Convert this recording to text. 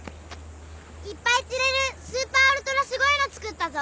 いっぱい釣れるスーパーウルトラすごいの作ったぞ！